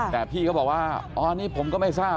แต่พี่ก็บอกว่าอ๋อนี่ผมก็ไม่ทราบ